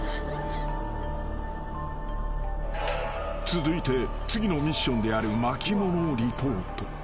［続いて次のミッションである巻物をリポート］